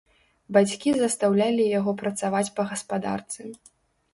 Бацькі застаўлялі яго працаваць па гаспадарцы.